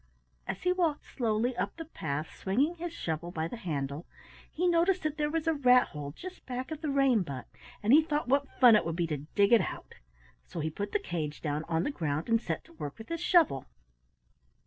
As he walked slowly up the path swinging his shovel by the handle, he noticed that there was a rat hole just back of the rain butt, and he thought what fun it would be to dig it out, so he put the cage down on the ground and set to work with his shovel.